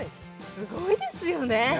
すごいですよね